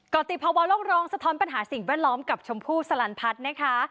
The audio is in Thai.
ก็ติดภาวะโลกร้องสะท้อนปัญหาสิ่งแวดล้อมกับชมพู่สลันพัฒน์นะคะ